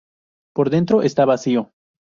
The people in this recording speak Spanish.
Por dentro está vacío.